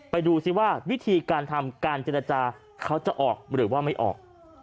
ไปดูซิว่าวิธีการทำการเจรจาเขาจะออกหรือว่าไม่ออก